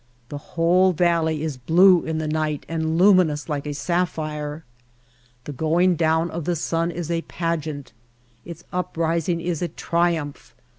The whole valley is blue in the night and luminous like a sapphire. The going down of the sun is a pageant; its uprising is a triumph.